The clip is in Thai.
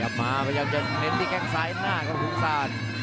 ย้ำมาพยายามจะเน้นในกลางซ้ายหน้ากลางครับภูมิสาร